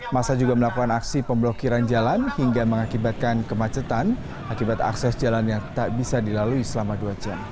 masa juga melakukan aksi pemblokiran jalan hingga mengakibatkan kemacetan akibat akses jalan yang tak bisa dilalui selama dua jam